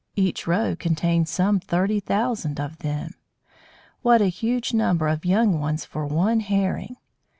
Each roe contains some thirty thousand of them! What a huge number of young ones for one Herring!